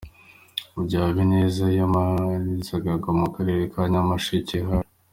Mu gihe Habineza yiyamamarizaga mu karere ka Nyamasheke, H.